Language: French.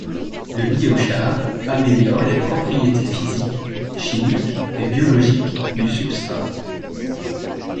Le biochar améliore les propriétés physiques, chimiques et biologiques du substrat.